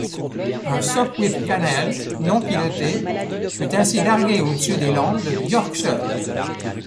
Un Sopwith Camel non piloté fut ainsi largué au-dessus des Landes du Yorkshire.